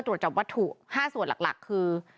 ตรวจจับวัตถุ๕ส่วนหลักคือ